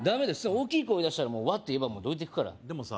大きい声出したら「ワッ！」て言えばどいていくからでもさ